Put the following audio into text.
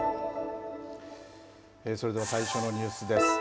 それでは最初のニュースです。